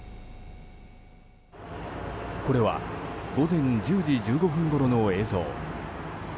これは、午前１０時１５分ごろの映像。